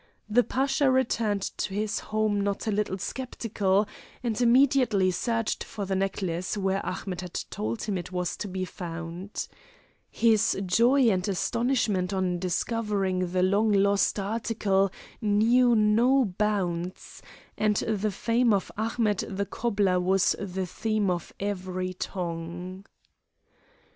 The Pasha returned to his home not a little sceptical, and immediately searched for the necklace where Ahmet had told him it was to be found. His joy and astonishment on discovering the long lost article knew no bounds, and the fame of Ahmet the cobbler was the theme of every tongue.